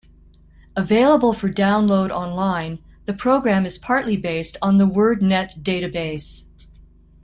Available for download online, the program is partly based on the WordNet database.